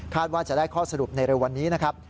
ว่าจะได้ข้อสรุปในเร็ววันนี้นะครับ